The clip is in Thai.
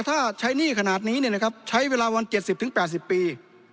ถ้าใช้หนี้ขนาดนี้เนี่ยนะครับใช้เวลาวันเจ็ดสิบถึงแปดสิบปี